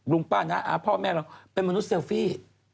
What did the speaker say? ลุงป้านะพ่อแม่เราเป็นมนุษย์เซลฟี่